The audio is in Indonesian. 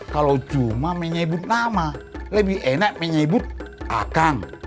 kalau cuma menyebut nama lebih enak menyebut akang